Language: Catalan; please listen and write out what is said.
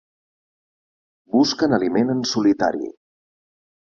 Busquen aliment en solitari.